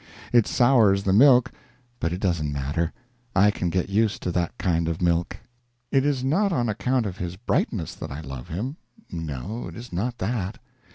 It sours the milk, but it doesn't matter; I can get used to that kind of milk. It is not on account of his brightness that I love him no, it is not that.